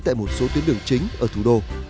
tại một số tuyến đường chính ở thủ đô